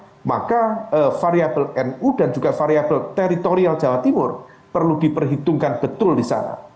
pertarungan kekuatan di pilpres dua ribu dua puluh empat mendatang maka variable nu dan juga variable teritorial jawa timur perlu diperhitungkan betul di sana